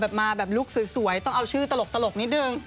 อ๋อแบบมาแบบลูกสวยต้องเอาชื่อตลกนิดนึง